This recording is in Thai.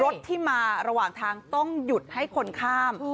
รถที่มาระหว่างทางต้องหยุดให้คนข้าม